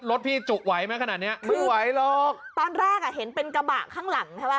รถพี่จุไหวไหมขนาดเนี้ยไม่ไหวหรอกตอนแรกอ่ะเห็นเป็นกระบะข้างหลังใช่ไหม